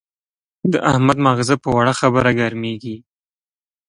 د احمد ماغزه په وړه خبره ګرمېږي.